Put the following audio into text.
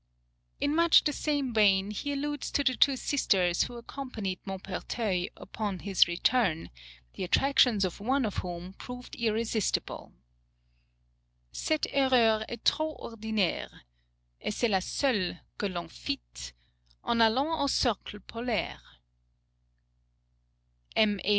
In much the same vein he alludes to the two sisters who accompanied Maupertuis upon his return, the attractions of one of whom proved irresistible, Cette erreur est trop ordinaire Et c'est la seule que l'on fit En allant au cercle polaire. M. A.